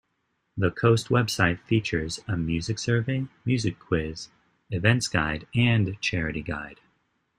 The Coast website features a music survey, music quiz, events guide and charity guide.